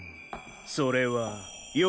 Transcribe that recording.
それはよ